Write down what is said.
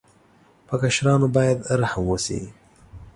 په کشرانو باید رحم وشي.